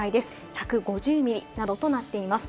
１５０ミリなどとなっています。